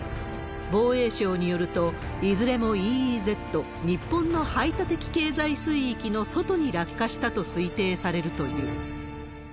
防衛省によると、いずれもＥＥＺ、日本の排他的経済水域の外に落下したと推定されるという。